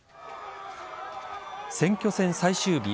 選挙戦最終日